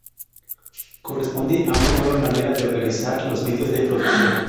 Corresponde a una nueva manera de organizar los medios de producción.